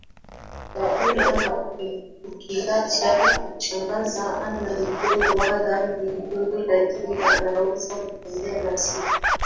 chakula na kukilacha kushangaza hana mikono wala miguu lakini anaweza kutembea na siku